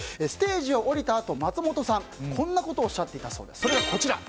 ステージを降りたあと松本さん、こんなことをおっしゃっていたそうです。